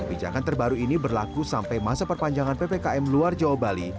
kebijakan terbaru ini berlaku sampai masa perpanjangan ppkm luar jawa bali